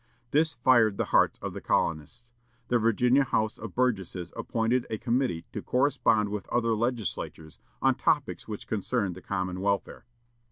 This fired the hearts of the colonists. The Virginia House of Burgesses appointed a committee to correspond with other Legislatures on topics which concerned the common welfare.